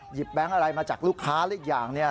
หยิบแบงค์อะไรมาจากลูกค้าหรืออีกอย่าง